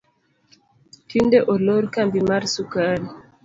Tinde olor kambi mar sukari